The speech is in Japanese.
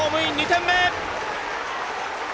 ２点目。